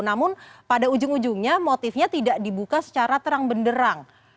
namun pada ujung ujungnya motifnya tidak dibuka secara terang benderang